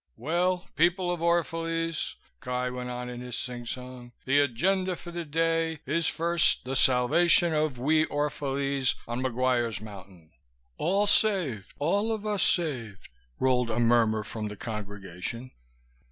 "Well, people of Orphalese," Guy went on in his singsong, "the agenda for the day is first the salvation of we Orphalese on McGuire's Mountain." ("All saved, all of us saved," rolled a murmur from the congregation.)